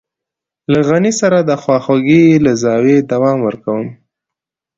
له غني سره د خواخوږۍ له زاويې دوام ورکوم.